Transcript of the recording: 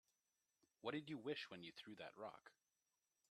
What'd you wish when you threw that rock?